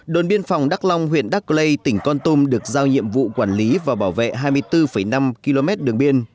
đồn biên phòng đắc long huyện đắc lây tỉnh con tum được giao nhiệm vụ quản lý và bảo vệ hai mươi bốn năm km đường biên